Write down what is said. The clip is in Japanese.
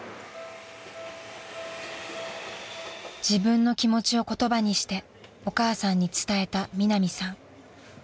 ［自分の気持ちを言葉にしてお母さんに伝えたミナミさん］